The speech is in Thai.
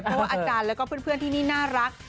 เพราะว่าอาจารย์แล้วก็เพื่อนที่นี่น่ารัก